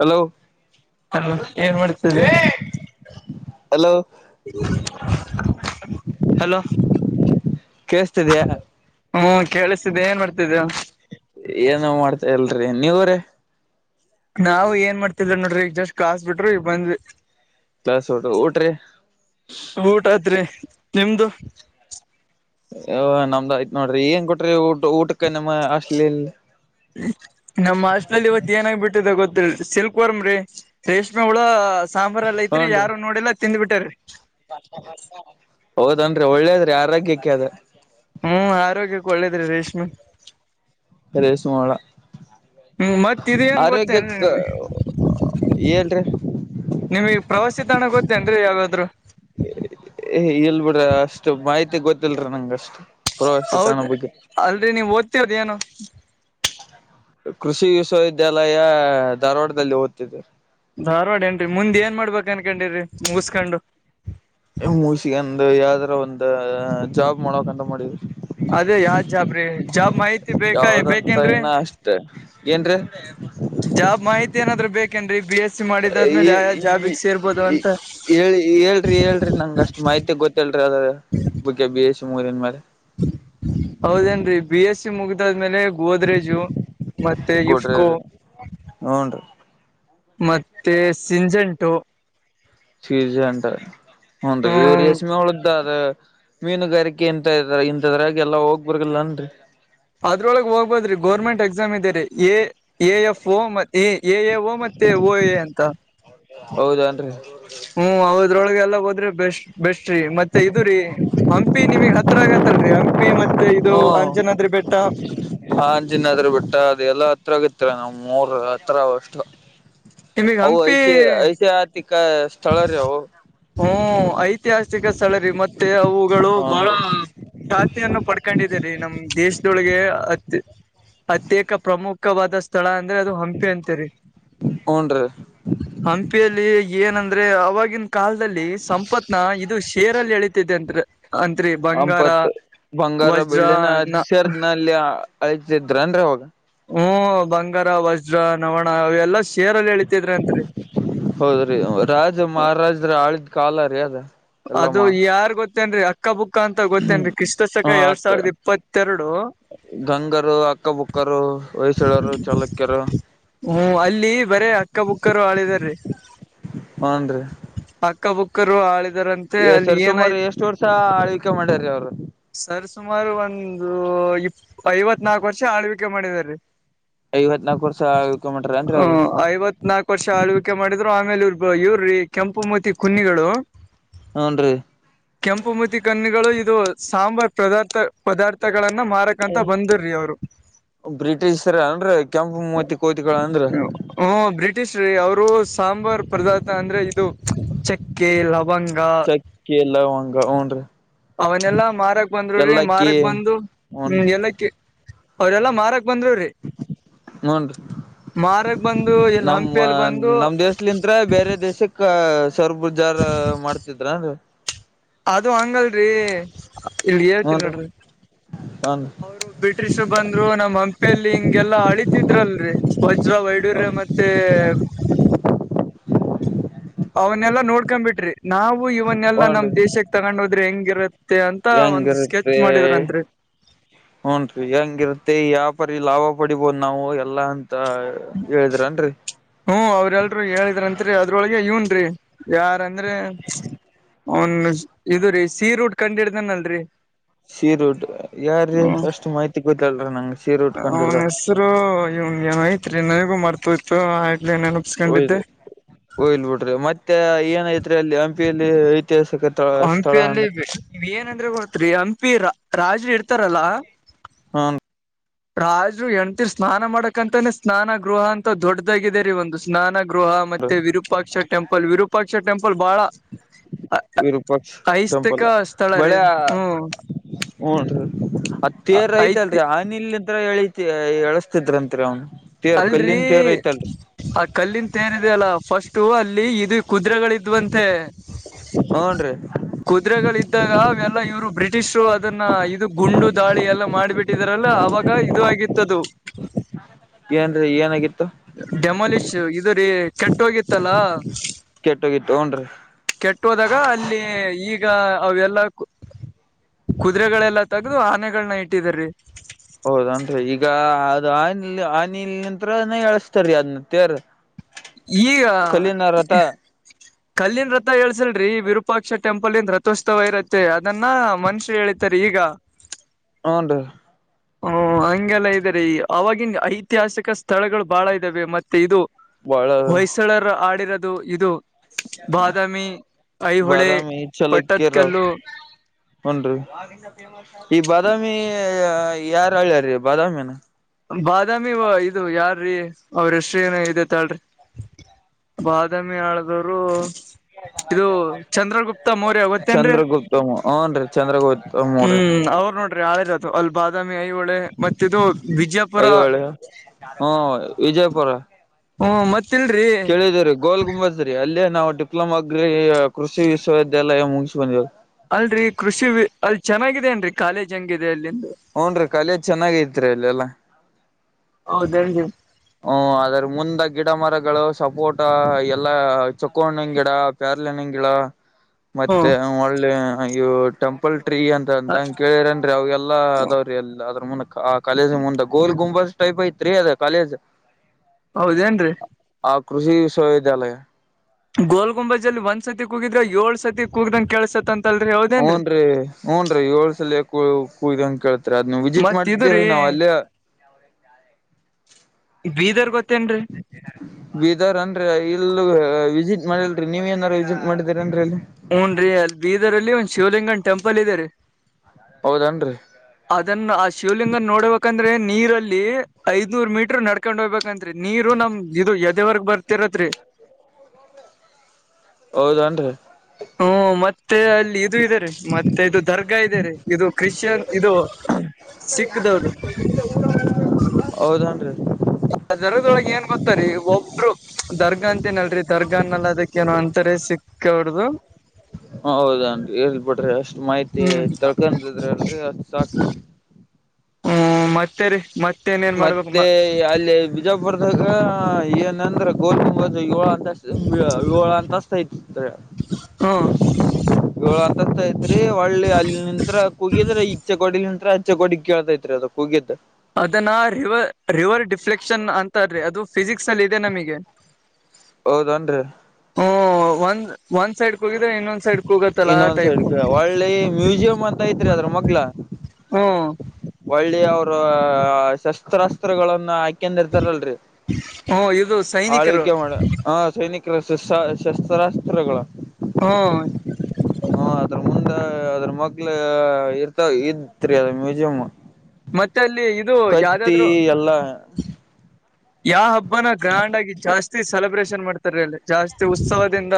Hello ಹ್ಮ್ ಏನ್ ಮಾಡ್ತಿದೀಯ. ಹಲೋ ಹಲೋ ಕೇೇಳಸ್ತಿದ್ಯಾ ಹ್ಮ ಕೇಳಿಸ್ತಿದ್ದೆ ಏನ್ ಮಾಡ್ತಿದ್ಯ. ಏನು ಮಾಡ್ತ ಇಲ್ರಿ ನೀವು ರಿ. ನಾವು ಏನ್ ಮಾಡ್ತಿದ್ವ ನೋಡ್ರಿ ಈಗ್ ಜಸ್ಟ್ ಕಾಸ್ ಬಿಟ್ರು ಈಗ್ ಬಂದ್ವಿ. ಕ್ಲಾಸ್ ಊಟ ಊಟ್ರಿ ಊಟ ಅತ್ರಿ ನಿಮ್ದು. ಆ ನಮ್ದ ಆಯ್ತ್ ನೋಡ್ರಿ ಏನ್ ಕೊಟ್ರಿ ಊಟ ಊಟಕ್ಕ ನಿಮ್ಮ ಹಾಷ್ಟಲಲ್ಲಿ. ನಮ್ಮ್ ಹಾಸ್ಟ್ಲಲ್ಲಿ ಇವತ್ ಏನಾಗ್ ಬಿಟ್ಟಿದೆ ಗೊತ್ತರಿ ಸಿಲ್ಕ್ ವರ್ಮ್ರೀ ರೇಷ್ಮೆ ಹುಳ ಸಾಂಬಾರ್ ಅಲ್ಲೈತ್ರಿ ಹೂನ್ರಿ ಯಾರು ನೋಡಿಲ್ಲ ತಿಂದ್ ಬಿಟ್ಟಾರಿ. ಹೌದನ್ರಿ ಒಳ್ಳೇದ್ರಿ ಆರೋಗ್ಯಕ್ಕೆ ಅದು. ಹ್ಮ್ ಆರೋಗ್ಯಕ್ಕೆ ಒಳ್ಳೆದ್ರಿ ರೇಷ್ಮೆ ರೇಷ್ಮೆ ಹುಳ ಹ್ಮ್ ಮತ್ ಇದ ಏನ್ ಆರೋಗ್ಯಕ್ ಗೊತ್ತೇನ್ರಿ ಆ ನಿಮ್ಗೆ ಏನ್ರಿ. ನಿಮ್ಗ್ ಪ್ರವಾಸಿ ತಾಣ ಗೊತ್ತೇನ್ರಿ ಯಾವಾದ್ರು. ಇಲ್ ಬಿಡ್ರ ಅಷ್ಟು ಮಾಹಿತಿ ಗೊತ್ತಿಲ್ರಿ ನಂಗಷ್ಟು. ಹೌದ ಅಲ್ರಿ ನೀವು ಓದ್ತಿರದ್ ಏನು ಕೃಷಿ ವಿಶ್ವವಿದ್ಯಾಲಯ ಧಾರವಾಡದಲ್ಲಿ ಓತ್ತಿದೆ. ಧಾರ್ವಾಡ ಏನ್ರೀ ಮುಂದ್ ಏನ್ ಮಾಡ್ಬೇಕು ಅನ್ಕೊಂಡಿರಿ ಮುಗುಸ್ಕೊಂಡು. ಮುಸಿಗೆಂದು ಯಾವ್ದ್ರ ಒಂದು ಜಾಬ್ ಮಾಡೋಕಂತ ಮಾಡಿದ್ವಿ. ಅದೇ ಯಾವ್ದ್ ಜಾಬ್ರೀ ಜಾಬ್ ಮಾಹಿ ಯಾವ್ದಂತ ಇನ್ನ ಅಷ್ಟ್ ಏನ್ರೀ ಜಾಬ್ ಮಾಹಿತಿ ಏನಾದ್ರು ಬೇಕೇನ್ರಿ ಬಿ ಎಸ್ ಸಿ ಮಾಡಿದಾದ್ಮೇಲೆ ಯಾಯಾವ್ ಈ ಜಾಬಿಗೆ ಸೇರ್ಬೋದು ಈ ಅಂತ. ಹೇಳಿ ಹೇಳ್ರಿ ಹೇಳ್ರಿ ನಂಗೆ ಅಷ್ಟ್ ಮಾಹಿತಿ ಗೊತ್ತೇಲ್ರಿ ಅದ್ರ ಬುಗ್ಗೆ ಬಿ ಎಸ್ ಸಿ ಮುಗ್ದಿದ್ ಮೇಲೆ. ಹೌದೇನ್ರಿ ಬಿ ಎಸ್ ಸಿ ಮುಗ್ದಾದ್ಮೇಲೆ ಗೋದ್ರೇಜು ಮತ್ತೆ ಗೊಡ್ರ ಇಫ್ಕೋ ಹೂನ್ರಿ ಮತ್ತೆ ಸಿಂಜಂಟು ಚೀಜ ಅಂಟ ಹ್ನ್ರಿ ಇವ್ರ ಹ್ಮ್ ಯಸಮಿ ಅವಳ್ದ ಅದ ಮೀನುಗಾರಿಕೆ ಎಂತ ಇದ ಇಂದ್ರಾಗ ಎಲ್ಲಾ ಹೋಗ್ ಬರಲ್ಲನ್ರಿ ಅದ್ರೊಳಗ್ ಹೋಗ್ಬೋದ್ರಿ ಗೋರ್ಮೆಂಟ್ ಎಕ್ಸಾಮ್ ಇದದೆ ರರಿ ಎ ಎ ಎಫ್ ಓ ಮ ಎ ಎ ಓ ಮತ್ತೆ ಓ ಎ ಅಂತ ಹೌದನ್ರಿ ಹ್ಮ್ ಅವದ್ರೊಳಗೆ ಎಲ್ಲ ಹೋದ್ರೆ ಬೆಸ್ಟ್ ಬೆಸ್ ರೀ ಮತ್ತೆ ಇದು ರರಿ ಹಂಪಿ ನಿಮಗ್ ಹತ್ರ ಆಗತ್ತಲ್ರರಿ ಹಂಪಿ ಮತ್ತೆ ಇದು ಅಂಜನಾದ್ರಿ ಬೆಟ್ಟ ಹಾಂಜಿಿನಾದ್ರ ಬಿಟ್ಟ ಅದು ಎಲ್ಲ ಹತ್ರಗಿತ್ತರ ನಮ್ ಮೂರ್ ಹತ್ರಷ್ಟು ನಿಮಗ್ ಅವು ಹಂಪಿ ಐಶ ಐತಿಹಥಿಕ ಸ್ಥಳ ರೀ ಅವು ಹ್ಮ ಐತಿಹಾಸಿಕ ಸ್ಥಳರಿ ಮತ್ತೆ ಅವುಗಳು ಬಹಳ ಹೂನ್ರಿ ಖಾತಿಯನ್ನು ಪಡ್ಕೊಂಡಿದರಿ ನಮ ದೇಶದೊಳಗೆ ಅ ಅತ್ಯೇಕ ಪ್ರಮುಖ ಚಕ್ಕವಾದ ಸ್ಥಳ ಅಂದ್ರೆ ಅದು ಹಂಪಿ ಅಂತರಿ ಹೂನ್ರೀ ಹಂಪಿಯಲ್ಲಿ ಏನಂದ್ರೆ ಅವವಾಗಿನ ಕಾಲದಲ್ಲಿ ಸಂಪತ್ನ ಇದು ಷೇರಲ್ಲಿ ಎಳೀತಿದೆ ಅತ್ರಿ ಅಂತ್ರಿ ಬಂಗಾರ ಅಂಪತ್ ವಜ್ರ ಲ್ಲಿ ಹಯತಿದ್ರ ಅಂದ್ರೆ ಹೋಗ ಹ್ಮ ಬಂಗಾರ ವಜ್ರ ನವಣ ಅವವೆಲ್ಲಾ ಶೇರಲ್ಲಿ ಎಳಿತಿದ್ರಿ ಅತ್ರಿ ಹೌದ್ರಿ ರಾಜ ಮಹಾರಾಜ್ರ ಆಳಿದ್ ಕಾಲ ರೀ ಅದ ಅದು ಎಲ್ಲಮ್ಮ ಯಾರ್ ಗೊತ್ತೇನ್ರಿ ಅ ಚಕ್ಕ ಬುಕ್ಕ ಅಂತ ಗೊತ್ತೇನ್ರಿ ಕ್ರಿಸ್ತ ಸಕ ಹ ಎರಡ್ ಅಕ್ಕ ಸಾವಿರದ ಇಪ್ಪತ್ತೆರಡು ಗಂಗರು ಅಕ್ಕಬುಕ್ಕರು ಹ್ಮ ಅಲ್ಲಿ ಬರೇ ಅಕ್ಕ ಬುಕ್ಕರು ಆಳಿದಾರೀ ಹನ್ೀ ಕಬುಕ್ಕರು ಆಳಿದರಂತೆ ಎ ಸರ್ ಸುಮಾರು ಎಷ್ಟು ವರ್ಷ ಆಳ್ವಿಕೆ ಮಾಡ್ಯೀ ಅವ್ರು ಸರ್ ಸುಮಾರು ಒಂದು ಇಪ್ಪ ಐವತ್ ನಾಕು ವರ್ಷ ಆಳ್ವಿಕೆ ಮಾಡಿದಾರೀ ಐವತ್ನಾಕು ವರ್ಷ ಮಾಡ್ಯಾರ ಏನ್ರಿ ಹ ಅವ್ರು ಐವತ್ತು ಹತ್ ನಾಲ್ಕು ವರ್ಷ ಆಳ್ವಿಕೆ ಮಾಡಿದ್ರು ಆಮೇಲೆ ಇ್ರ ಇವ್ರಿ ಕೆಂಪು ಮೂತಿ ಕುನ್ನಿಗಳು ಹ್ನ್ ರೀ ಕೆಂಪುಮತಿ ಕಣ್ಣಿಗಳು ಇದು ಸಾಂಬಾರ್ ಪದಾರ್ಥ ಪದಾರ್ಥಗಳನ್ನ ಮಾರಕ ಂತ ಬಂದರ್ರಿ ಅವ್ರು ಬ್ರಿಟಿಷರ ಅಂದ್ರ ಕೆಂಪು ಮೂತಿ ಕೋತಿಗಳ ಅಂದ್ರ ಹ ಬ್ರಿಟಿಷ್ ರೀ ಅವರು ಸಾಂಬಾರ್ ಪದಾರ್ಥ ಅಂದ್ರೆ ಇದು ಚಕ್ಕೆ ಲವಂಗ ಕಲ್ಲ ವಂಗ ಹನ್ ರ ಅವನೆಲ್ಲಾ ಮಾರಕ್ ಬಂದರು್ರೀ ಮಾರಕ್ ಬಂದು ಹೂನ್ ಹ್ಮ ಎಲ್ಲ ಕ ಅವ್ರಲ್ಲ ಮಾರಕ್ ಬಂದ್ರ್್ರೀ ಹೂನ್ರಿ ಮಾರಕ್ ಬಂದು ಎಲ್ಲಿ ಹಂಪಿಯಲ್ಲಿ ಬಂದು ಮಲಿಂತ್ರ ಬೇರೆ ದೇಶಕ್ಕ ಸರ್ಬುಜಾರ್ ಮಾಡ್ತಿದ್ರ ಅದು ಹಂಗಲ್ರಿ ಇಲ್ ಹೇಳ್ತನ ಹೂನ್ರಿ ನೋಡ್ರಿ ಹನ್ ಅವರು ಬ್ರಿಟಿಷ್ರು ಬಂದ್ರು ನಮ್ ಹಂಪಿಯಲ್ಲಿ ಹಿಂಗೆಲ್ಲಾ ಅಳಿತಿದ್ರಲ್ರರಿ ವಜ್ರ ವೈಡೂರ್ಯ ಮತ್ತೇ ಅವನ್ನೆಲ್ಲಾ ನೋಡ್ಕೊಂಡ್ಬಿಟ್ರಿ. ನಾವು ಇವನ್ನೆಲ್ಲಾ ನಮ್ ಹನ್ರಿ ದೇಶಕ್ ತಗೊಂಡ್ ಹೋದ್ರೆ ಹೆಂಗಿರತ್ತೆ ಅಂತ ಒಂದ್ ಸ್ಕೆಚ್ ಮಾಡಿದ್ರನ್ರಿ. ಹೂಂನ್ರಿ ಹೆಂಗಿರತ್ತೆ ಯ್ಯಾಪಾರಿ ಲಾಭ ಪಡಿಬೋದ್ ನಾವು ಎಲ್ಲಾ ಅಂತ. ಹೇಳದ್ರನ್ರರಿ. ಹ್ಮು ಅವ್ರೆಲ್ರು ಹೇಳಿದ್ರಂತ್ರಿ ಅದ್ರೊಳಗೆ ಇವನ್ರಿ ಯಾರ್ ಅಂದ್ರೆ ಅವನ್ ಇದು ರೀ ಸೀ ರೂಟ್ ಕಂಡಿಡ್ದೇನಲ್ರರಿ? ಸೀ ರೂಟ್ ಯಾರ್ರೀ ಅಷ್ಟು ಮಾಹಿತಿ ಗೊತ್ತಲ್ರ ನಂಗೆ. ಅವ್ನ ಹೆಸರು ಇವನ್ ಏನ ಐತ್ರಿ ನನಗೂ ಮರ್ತೋಯ್ತು ಆಗ್ಲೆ ಏನ ಹೊಯ್ ಹೊಯ್ಲ್ ಬಿಡ್ರಿ ಮತ್ತೆ ಏನೈತ್ರಿ ಅಲ್ಲಿ ಹಂಪಿಯಲ್ಲಿ ಐತಿಹಾಸಿ ತ ಸ್ಥಳ ಅಂದ್ರೆ ಇವ್ ಏನಂದ್ರೆ ಗೊತ್ರಿ ಹಂಪಿ ರಾಜ್ರು ಇರ್ತಾರಲ್ಲ ಹಾ ರಾಜ್ರು ಹೆಂಡತೀರ್ ಸ್ನಾನ ಮಾಡಕಂತಾನೇ ಸ್ನಾನ ಗೃಹ ಅಂತ ದೊಡ್ಡದಾಗಿದೆ ರೀ ಒಂದು ಸ್ನಾನ ಗೃಹ ಮತ್ತೆ ವಿರೂಪಾಕ್ಷ ಟೆಂಪಲ್ ವಿರೂಪಾಕ್ಷ ಟೆಂಪಲ್ ಬಹಳ ವಿರೂಪಾಕ್ಷ ಟೆಂಪಲ್ ಐಸ್ತಿಕ ಸ್ಥಳ ರೀ ಬೆಳೆ ಹ್ಮ್ ಹೂಂನ್ರಿ ಆ ತೇರ್ ಐತಿ ಐತಲ್ರಿ ಆ ನಿಲ್ಲಿಂತ್ರ ಎಳತಿ ಎಳಸ್ತಿದ್ರಂತ್ರಿ ಅವ್ನು ತೇರ್ ಅಲ್ರಿ ಕಲ್ಲಿನ್ ತೇರ್ ಐತಲ್ರಿ ಆ ಕಲ್ಲಿಂತೇರ್ ಇದ್ಯಲ್ಲ ಫಸ್ಟು ಅಲ್ಲಿ ಇದ್ ಕುದ್ರೆಗಳಿದ್ವಂತೆ. ಹೂನ್ರಿ ಕುದ್ರೆಗಳ್ದಾಗ ಅವೆಲ್ಲಾ ಇವ್ರು ಬ್ರಿಟಿಷ್ರು ಅದನ್ನ ಇದು ಗುಂಡು ದಾಳಿ ಎಲ್ಲಾ ಮಾಡಿಬಿಟ್ಟು ಇದರಲ್ಲ ಅವಾಗ ಇದು ಆಗಿತ್ತದು. ಏನ್ರಿ ಏನಾಗಿತ್ತು? ಡೆಮಾಲಿಶ್ ಇದು ರೀ ಕೆಟ್ಟ್ ಹೋಗಿತ್ತಲ್ಲ. ಕೆಟ್ಟೋಗಿತ್ತು ಹೂನ್ರಿ ಕೆಟ್ಟೋದಾಗ ಅಲ್ಲಿ ಈಗ ಅವೆಲ್ಲ ಕುದುರೆಗಳೆಲ್ಲಾ ತಗ್ದು ಆನೆಗಳ್ನ ಇಟ್ಟಿದಾರ್ರಿ. ಹೌದನ್ರಿ ಈಗ ಅದು ಆನಿಲ್ ಆನಿಲ್ ನಂತ್ರನ ಎಳಸ್ತಾರೀ ಅದ್ನ ತ್ತೇರ್. ಈಗ ಕಲ್ಲಿನ್ ರಥ ಎಳ್ಸಲ್ರೀ ವಿರೂಪಾಕ್ಷ ಟೆಂಪಲ್ಂದ ರಥೋತ್ಸವ ಇರತ್ತೆ ಅದನ್ನ ಮನುಷ್ಯ ಎಳೀತಾರ ಈಗ ಹೌನ್ರೀ. ಓ ಹಂಗೆಲ್ಲ ಇದೆರೀ ಅವಾಗಿನ್ ಐತಿಹಾಸಿಕ ಸ್ಥಳಗಳು ಬಾಳ ಇದ್ದಾವೆ ಮತ್ತೆ ಇದು ಬಾಳ ತಳರು ಆಡಿರೋದು ಇದು ಬಾದಾಮಿ ಐಹೊಳೆ ಬಾದಾಮಿ ಪಟ್ಟದ್ಕಲ್ಲು ಹೂನ್ರೀ ಈ ಬಾದಾಮಿ ಯಾರ್ [unintelligible] ರೀ ಬಾದಾಮಿನ ಬಾದಾಮಿ ಇದು ಯಾರ್ರೀ ಅವ್ರ್ ಹೆಸ್ರೇನೊ ಇದೆ ತಾಳ್ರಿ ಬಾದಾಮಿ ಆಳ್ದೋರು ಇದು ಚಂದ್ರಗುಪ್ತ ಮೌರ್ಯ ಗೊತ್ತೇನ್ರೀ ಚಂದ್ರಗುಪ್ತಮ ಹೂನ್ರಿ ಚಂದ್ರಗುಪ್ತಮ್ ಅವ್ರಿ ಹ್ಮ್ ಅವರು ನೋಡ್ ಆಳಿರದು ಅಲ್ಲಿ ಬಾದಾಮಿ ಐಹೊಳೆ ಮತ್ತಿದು ವಿಜಯಪುರ ಐಹೊಳೆ ಹ್ಮ ವಿಜಯಪುರ ಹ್ಮ ಮತ್ತಿಲ್ರಿ ಕೇಳಿದೀರಿ ಗೋಲ್ ಗುಂಬಜ್ ತ್ರೀ ಅಲ್ಲೇ ನಾವು ಡಿಪ್ಲಮಾ ಗ್ರಿ ಕೃಷಿ ವಿಶ್ವವಿದ್ಯಾಲಯ ಮುಗಿಸ್ ಬಂದೀವ್. ಅಲ್ರೀ ಕೃಷಿ ವಿ ಅಲ್ ಚೆನ್ನಾಗಿದೆೇನ್ರಿ ಕಾಲೇಜ್ ಹಂಗಿದೆ ಅಲ್ಲಿಂದ ಹೂನ್ರೀ ಕಲೇಜ್ ಚೆನ್ನಾಗೖತ್ರಿ ಅಲ್ಲೆಲ್ಲಾ. ಹೌದೇನ್ರೀ ಹ್ಮ ಅದ್ರ ಮುಂದ ಗಿಡ ಮರಗಳು ಸಪೋಟ ಎಲ್ಲಾ ಚೊಕ್ಕಣ್ಣ ಗಿಡ ಕೇರ್ಲನಂಗಾ ಹ [inaudible] ಮತ್ತೆ ಒಳ್ಳೆ ಇ ಟೆಂಪಲ್ ಟ್ರೀ ಅಂತ ಅಂತಂಗಗೆ ಕೇಳಿರೇನ್ರಿ ಅವಿಗೆಲ್ಲ ಅದಾವ್ರೀ ಎಲ್ಲ ಅದ್ರ ಮುಂದೆ ಆ ಕಾಲೇಜ್ ಮುಂದೆ ಗೋರಿ ಗುಂಬಸ್ ಟೈಪ್ ಐತ್ರಿ ಅದ ಕಾಲೇಜ್ ಹೌದೇಏನ್ರೀ ಆ ಕೃಷಿ ವಿಶ್ವವಿದ್ಯಾಲಯ ಗೋಲ್ ಗುಂಬಜ ಅಲ್ಲಿ ಒಂದ್ ಸತಿ ಕೂಗಿದ್ರೆ ಏಳ್ ಸತಿ ಕಗ್ದಂ ಕೇಳಸ ಅಂತ ಹ್ನ್ ರೀ ಊನ್ ರೀ ಏಳ್ ಸಲ ಕೂ್ದ ಅಂಗ ಕೇಳ್ತ ಅದ ವಿಸಿಟ್ ಮತ್ ಇದು ಮಾಡ್ತಿದ್ದೀವಿ ರೀ ರೀವು ಅಲೇ [unintelligible] ಬೀದರ್ ಗೊತ್ತೇನ್ರೀ ಬದಾರ ಅನ್ರೀ ಇಲ್ಲ ವಿಸಿಟ್ ಮಾಡಿಲ್ರರಿ ನೀವ ಏನಾರ ವಿಸಿಟ್ ಮಾಡಿದೀರಿ ಅನ್ರಿ ಇಲ್ಲಿ ಹೂನ್ ರೀ ಅಲ್ಲಿ ಬೀದರ್ಲ್ಲಿ ಒಂದ್ ಶಿವಲಿಂಗನ್ ಟೆಂಪಲ್ ಇದೆ ರೀ ಹೌದನ್ರಿ ಅದನ್ನ ಆ ಶಿವಲಿಂಗ ನೋಡಬೇಕಂದ್ರೆ ನೀರಲ್ಲಿ ಐದ್ನೂರ್ ಮೀಟರ್ ನಡ್ ಇಕೊಂಡ್ ಹೋಗ್ಬೇಕಂತ್ರಿ ನೀರು ನಮ್ ಇದು ಎದವರ್ಗ್ ಬರ್ತಿರತ್ರಿ ಹೌದನ್ರಿ ಹ್ಮ ಮತ್ತೆ ಅಲ್ಲಿ ಇದು ಇದಾರೆ ಮತ್ತೆ ಇದು ದರ್ಗಾ ಇದಾರೆ ಇದು ಕ್ರಿಶ್ಚಿಯನ್ ಇದು ಸಿಕ್ದವ್ರು ಹೌದನ್ ರೀ ದರ್ಗದೊಳಗೆ ಏನ್ ಗೊತ್ತಾರರಿ ಒಬ್ರು ದರ್ಗ ಅಂತೇನಲ್ರರಿ ದರ್ಗ ಅನ್ನಲ್ಲ ಅದಕ್ಕಏನೋ ಅಂತರ ಸಿಕ್ ಕೆವಡದುು [inaudible] ಹೌದನ್ರಿ ಹೇಳ್ ಬಿಿಡ್ರಿ ಅಷ್ಟ್ ಮಾಹಿತಿ ಹ್ಮ್ ತಳ್ಕಿದ್ರ ಅಲ್ರಿ ಅಷ್ಟ್ ಸಾಕ್ ಹ್ಮ ಮತ್ತೆ ರೀ ಮತ್ತ ಮತ್ತೆ ಅಲ್ಲಿ ಬಿಜಾಪುರದಾಗ ಏನಂದ್ರ ಗೋಧುಂಬದು ಇಳ ಅಂತಷ್ಟ ವಳ ಅಂತತ ಇ ಹ್ಮ್ ಳತತೈತ್ರಿ ಒಳ್ಳೆ ಅಲ್ಲಿ ನಿಂತ್ರ ಕುಗಿದ್ರ ಇಚ್ಚೆ ಕೊೋಡಿಲಿ ನಿತ್ರ ಹಚ್ಚೆ ಕೋಡಿ ಕೇಳ್ತೈತ್ರಿ ಅದಕ್ಕೆ ಕೂಗಿದ್ದ ಅದನ್ನ ರಿವ ರಿವರ್ ಡಿಫ್ಲೆಕ್ಷನ್ ಅಂತಾರೀ ಅದು ಫಿಸಿಕ್ಸ್ ನಲ್ಲಿ ಇದೆ ನಮಗೆ [inaudible] ಹೌದನ್ರಿ ಹ ಒಂದ್ ಒಂದ್ ಸೈಡ್ ಕಗಿದ ಇನ್ನೊಂದ್ ಸೈಡ್ ಕೂಗತ್ತಲ್ಲ ಆ ಇನ್ನೊಂದ್ ಟೈಪ್ ಸೈಡ್ಗೆ ಒಳ್ಳೆ ಮ್ಯೂಸಿಯಂ ಅಂತ ಐತ್ರಿ ಅದ್ರ ಮಕ್ಳ ಹ್ಮ್ ಒಳ್ಳೆಯ ಅವರು ಶಸ್ತ್ರಾಸ್ತ್ರಗಳನ್ನ ಹಾಕಿ ಕಂದ ಇರ್ತಾರಲ್ರರಿ ಹ್ಮ್ ಇದು ಸೈನಿಕರು ಆಳ್ವಿಕೆ ಮಾಡ ಹಾ ಸೈನಿಕರ ಶಸ್ ಶಸ್ತ್ರಾಸ್ತ್ರಗಳ ಹಾ ಹ ಅದ್ರ ಮುಂದೆ ಅದ್ರ ಮಕ್ಳ ಇರ್ತ ಇದತ್ರಿ ಅದ ಮ್ಯೂಸಿಯಂ ಮತ್ತೆ ಅಲ್ಲಿ ಇದು ಕತ್ತಿ ಯಾವ್ದಾದ್ರು ಎಲ್ಲಾ ಯಾವ ಹಬ್ಬನ ಗ್ರ್ಯಾಂಡ್ ಆಗಿ ಜಾಸ್ತಿ ಸೆಲೆಬ್ರೇಷನ್ ಮಾಡ್ತಾರ ಅಲ್ಲಿ ಜಾಸ್ತಿ ಉತ್ಸವದಿಂದ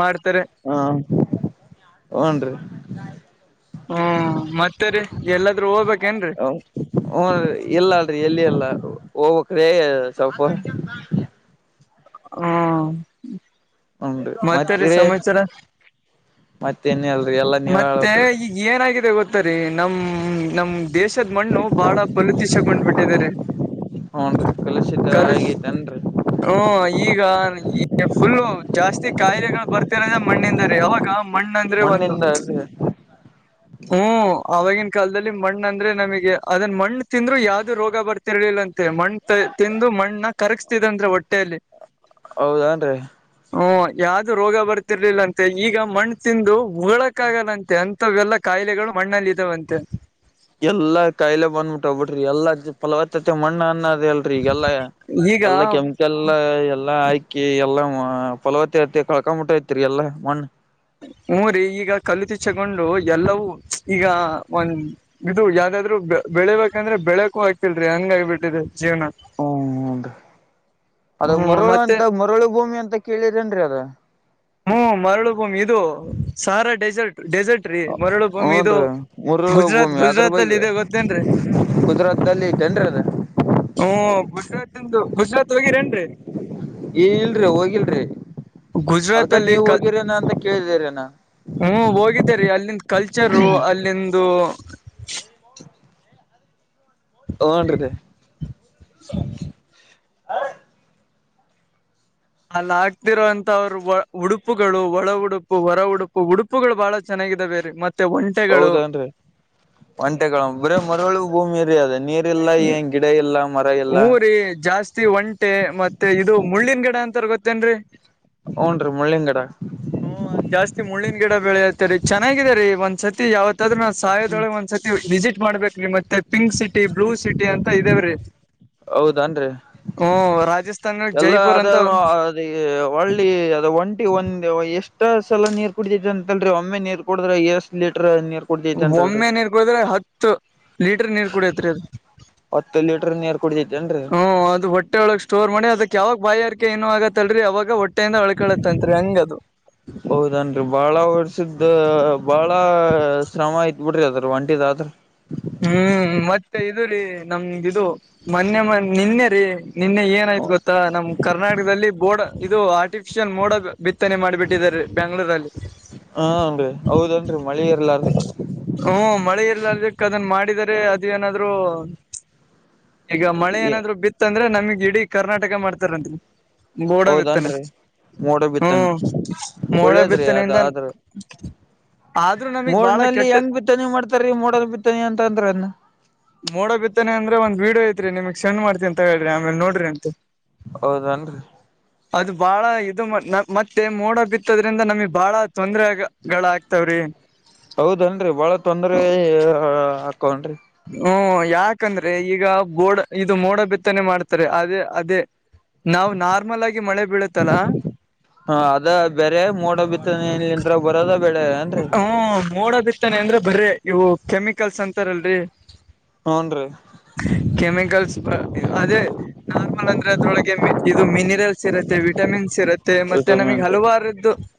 ಮಾಡ್ತಾರೆ ಹಾ ಹ್ನ್ ರೀ ಹ್ಮ್ ಮತ್ತರಿ ಎಲ್ಲಾದೂ ಹೋಗ್ಬೇಕೇನ್ರರಿ ಹ್ನ್ರಿ ಇಲ್ಲ ಅಲ್ರಿ ಎಲ್ಲಿ ಎಲ್ಲ ಹೋಗವ ಕ್ರೇ ಸ್ವಲ್ಪ ಹ್ಮ ಮತ್ತರಿ ಸಮಚರ ಮತ್ತೇನ್ ಹೇಳಲ್ರಿ ಎಲ್ಲಾ ನೀವ್ ಮತ್ತೆ ಹೇಳ್ಬೇಕು ರೀ ಈಗ ಏನಾಗಿದೆ ಗೊತ್ತರಿ ನಮ್ಮ ನಮ್ ದೇಶದ ಮಣ್ಣು ಬಾಳ ಫಲತಿಸಗೊಂಡ್ ಬಿಟ್ಟಿದ್ದೆ ರಿ ಹೂ ರಿ ಕಲಷಿತ ಆಗತನ್ರಿ ಹ್ಮ ಈಗ ಈ ಫುಲ್ಲು ಜಾಸ್ತಿ ಕಾಯಿಲೆಗಳು ಬರ್ತಿರದ ಮಣ್ಣಿನಿಂದ ರೀ ಅವಾಗ ಈಗ ಮಣ್ಣ ಅಂದ್ರೆ ಒಂದು ಅ [unintelligible] ಹು ಆವಾಗಿನ ಕಾಲದಲ್ಲಿ ಮಣ್ಣ ಅಂದ್ರೆ ನಮಗೆ ಅದನ್ ಮಣ್ಣು ತಿಂದ್ರು ಯಾವ್ದು ರೋಗ ಬರ್ತ ತಿರಳಿಿಲ್ಲಂತೆ ಮಣ್ಣ ತಿಂದು ಮಣ್ಣ ಕರಗಸ್ತಿದರಂತೆ ಹೊಟ್ಟೆಯಲ್ಲಿ ಹೌದಾನ್ರಿ ಹಓ ಯಾವ್ದು ರೋಗ ಬರ್ತಿರ್ಲಿಲ್ಲ ಅಂತೆ ಈಗ ಮಣ್ಣು ತಿಂದು ಉಳ ಕಕ್ಕಾಗಲ್ಲಂತೆ ಅಂತವೆಲ್ಲಾ ಕಾಯಿಲೆಗಳು ಮಣ್ಣಲ್ಲಿ ಇದಾವಂತೆ ಎಲ್ಲಾ ಕಾಯಿಲೆ ಬಂದ್ಬಿಟ್ಟ ವ ಬಿಡ್ರಿ ಎಲ್ಲ್ ಫಲವತ್ತತೆ ಮಣ್ಣ ಅನ್ನ ಅ ಎಲ್ರಿ ಈಗೆಲ್ಲಾ ಈಗ ಎಲ್ಲಾ ಕೆಂಪ ಎಲ್ಲಾ ಎಲ್ಲಾ ಹಾಕಿ ಎಲ್ಲಾ ಫಲವತ್ತ ಆರ್ತಿ ಕಳ್ಕೊಂಬಿಟ್ಟತಿರಿ ಎಲ್ಲಾ ಮಣ್ಣ ಹಊ ರರಿ ಈಗ ಕಲ್ಲತಿು ಚಗೊಂಡು ಎಲ್ಲವೂ ಈಗ ಒಂದ ಇದು ಯಾವ್ದಾದ್ರು ಬೆಳಿಬೇಕಂದ್ರೆ ಬೆಳಕು ಆಗ್ತಿಲ್ರರಿ ಹಂಗ ಆಗಬಿಟ್ಟಿದೆ ಜೀವನ ಹ್ಮ ಹನ್ೀ ಅದ ಹ್ಮ್ ಮರಳು ಮತ್ತೆ ಅಂತ ಮರಳು ಭೂಮಿ ಅಂತ ಕೇಳಿದ್ರೇನ್ರರಿ ಅದ ಹ್ಮ್ ಮರಳು ಬೂಮ್ ಇದು ಸಾರಾ ಡೆಸರ್ಟ್ ಡೆಸರ್ಟ್ ೀ ಮರಳು ಭೂಮಿ ಇದು ಹೂನ್ರಿ ಮುರುಳು ಗುಜರಾತ್ ಗುಜರಾತ್ ಅಲ್ಲಿ ಇದದೆ ಗೊತ್ತೇನ್ರೀ ಗುಜರಾತ್ ಅಲ್ಲಿ ಜನರ ಅದ ಹ್ಮ ಗುಜರಾತ್ಂದು ಗುಜರಾತ್ ಹೋಗಿರೇನ್ರಿ ಈ ಇಲ್ರಿ ಹೋಗಿಲ್ರಿ ಅದ್ಕ ಗುಜರಾತ್ ಅಲ್ಲಿ ನೀವ್ ಹೋಗಿರೇನ ಅಂತ ಕೇಳಿದಿರೇನಾ ಹೂ ಹೋಗಿದ್ದೇರಿ ಅಲ್ಲಿಂದ ಕಲ್ಚರು ಅಲ್ಲಿಂದು ಹೊಂಡ್ರ ಲೆ ಹ [inaudible] ನನ್ನ ಆಗ್ತಿರೋಂತವರು ಉಡುಪುಗಳು ಒಳ ಉಡುಪು ಹೊರ ಉಡುಪು ಉಡುಪು ಉಡುಪಗಳು ಬಾಳ ಚೆನ್ನಾಗಿದೆ ರಿ ಮತ್ತೆ ಒ ಹೌದನ್ರಿ ಒಂಟೆಗಳ ಬರೀ ಮರಳು ಭೂಮಿ ಅದು ನೀರ್ ಇಲ್ಲ ಏನ್ ಗಿಡ ಇಲ್ಲ ಮರ ಇಲ್ಲ ಊರಿ ಜಾಸ್ತಿ ಒಂಟೆ ಮತ್ತೆ ಇದು ಮುಳ್ಳನ್ ಗಿಡ ಅಂತಾರ ಗೊತ್ತೇನ್ರರಿ ಹೊಂಡ್ರಿ ಮುಳ್ಳಿನ ಗಿಡ ಹ್ಮ ಅಲ್ಲಿ ಜಾಸ್ತಿ ಮುಳ್ಳಿನ ಗಿಡ ಬೆಳೆಯತ್ತ ರಿ ಚೆನ್ನಾಗಾಗಿದೆ ರೀ ಒಂದ್ ಸತಿ ಯಾವತ್ ನಾ ನ ಸಾಯದೊಳಗೆ ಒಂದ್ಸತಿ ವಿಸಿಟ್ ಮಾಡ್ಬೇಕ್ರ ಮತ್ತ ಪಿಂಕ್ ಸಿಟಿ ಬ್ಲೂ ಸಿಟಿ ಅಂತ ಇದೇವ್ರೀ ಹೌದನ್ರಿ ಹೂ ರಾಜಸ್ಥಾನ ಎಲ್ಲ ಜೈಪುರ್ ಅದ ಅಂತ ಅದ ಒಳ್ಳಿ ಅದ ಒಂಟಿ ಒಂದ ಎಷ್ಟ ಸಲ ನೀರು ಕುಡಿತದ ಅಂತಲ್ರಿ ಒಮ್ಮೆ ನೀರು ಕುಡಿದ್ರೆ ಎಷ್ಟ ಆರ್ ಲಿಟರ್ ನೀರ ಒಮ್ಮೆ ನೀರ್ ಕುಡಿದ್ರೆ ಹತ್ತು ಲೀಟರ್ ನೀರ್ ಕುಡಿಯತ್ರಿ ಅದು ಹತ್ತು ಲೀಟರ್ ನೀರ್ ಕುಡಿತೆ ತೆಂಡ್ರಿ ಹ್ ಅದು ಒಟ್ಟ ಹೊಟ್ಟೆೊಳಗ್ ಸ್ಟೋರ್ ಮಾಡಿ ಅದಕ್ ಯಾವಾಗ ಬಾಯಾರಕೆ ಏನು ಆಗತ್ತಲ್ರಿ ಅವಾಗ ಹೊಟ್ಟೆಯಿಂದ ಅಳ್ಕಳತ್ತಂತತ್ರಿ ಹಂಗ ಅದು ಹೌದನ್ರಿ ಬಾಳ ಹೊರ್ಸದ ಬಾಳ ಶ್ರಮ ಆಯತ ಬಿಡ್ರಿ ಅದು ಒಂಟಿದು ಆಯಿತ್ ಹ್ಮ್ ಮತ್ತೆ ಇದು ರೀ ನಮ್ದ ಇದು ಮೊನ್ನೆ ಮೊನ್ನೆ ನಿನ್ನೆ ರೀ ನಿನ್ನೆ ಏನಾಯ್ತು ಗೊತ್ತಾ ನಮ್ ಕರ್ನಾಟಕದಲ್ಲಿ ಬೋಡ ಇದು ಆರ್ಟಿಫಿಷಿಯಲ್ ಮೋಡನೆ ಬಿತ್ತನೆ ಮಾಡಿಬಿಟ್ಟಿದರೆ ಬೆಂಗಳೂರುದ್ಗ ಹಾನ್ರಿ ಹೌದನ್ರರಿ ಮಳಿ ಎರ್ಲ್ಲಾರದಕ್ ಹ್ಮ ಮಳೆ ಇರ್ಲಾದಕ್ಕ ಅದನ್ನ ಮಾಡಿದರೆ ಅದು ಏನಾದ್ರು ಈಗ ಮಳೆ ಏನಾದ್ರು ಬಿತ್ತಂದ್ರೆ ನಮಗ್ ಇಡೀ ಕರ್ನಾಟಕ ಮಾಡ್ತಾರತ್ರಿ ಗೋಡ ಬಿತ್ತನೆ ಹೌದನ್ರಿ ಮೋಡ ಬಿತ್ತನೆ ಹ್ಮ್ ಮೋಡ ಒಳ್ಳೇದ್ರಿ ಅದ ಬಿತ್ತನಿಂದ ಆದ್ರ ಆದ್ರೂ ನಮಗ್ ಬಾಳ ಕೆಟ್ಟ ಬಿತ್ತಾನಿ ಮಾಡ್ತಾರೀ ಮೂೋನ್ ಬಿತ್ತಾನಿ ಅಂತ ಅಂದ್ರ ಅದನ್ನ ನೋಡ ಬಿಿದ್ದಾನ ಅಂದ್ರೆ ಒಂದ್ ವಡಿಯೋ ಐತ್ರಿ ನಿಮಗ್ ಸೆ್ತತಿ ಅಂತ ಹೇಳ್ರಿ ಆಮೇಲೆ ನೋಡ್ರಿ ಅಂತ ಹೌದನ್ರಿ ಹ [inaudible] ಅದು ಬಾಳ ಇದು ಮತ್ತೆ ಮೋಡ ಬಿತ್ತದ್ರಿಂದ ನಮಗ್ ಬಾಳ ತೊಂದ್ರಗಳ ಆಗ್ತಾವ್ರಿ ಹೌದನ್ರರಿ ಬಾಳ ತೊಂದ್ರ ಹಾಕವನ್ರಿ ಹ್ಮ್ ಯಾಕಂದ್ರೆ ಈಗ ಬೋಡ ಇದು ಮೋಡ ಬಿತ್ತನೆ ಮಾಡ್ತಾರೆ ಅದೇ ಅದೇ ನಾವು ನಾರ್ಮಲ್ ಆಗಿ ಮಳೆ ಬೀಳುತ್ತಲ್ಲಾ ಹ ಅದ ಬೇರೆ ಮೋಡ ಬಿತ್ತನೆ ಇಂತತ್ರ ಬರದ ಬೆಳೆ ಹ್ಮ ನೋಡೋದಿತ್ತಾನೆ ಅಂದ್ರೆ ಬರ ಇವು ಕೆಮಿಕಲ್ಸ್ ಅಂತಾರಲ್ರರಿ ಹೇಳ್ರಿ ಕೆಮಿಕಲ್ಸ್ ಅದೇ ನಾರ್ಮಲ್ ಅಂದ್ರೆ ಅದ್ರೊಳಗೆ ಇದು ಮಿನಿರಲ್ಸ್ ಇರುತ್ತೆ ವಿಟಮಿನ್ಸ್ ಇರುತ್ತೆ ಮತ್ತೆ ಮತ್ತೆ ನಮಗ್ ವಿಟಮಿನ್ಸ್ ಹಲವಾರದ್ದು